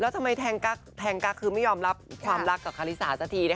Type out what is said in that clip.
แล้วทำไมแทงกั๊กคือไม่ยอมรับความรักกับคาริสาสักที